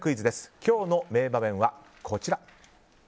今日の名場面はこちら。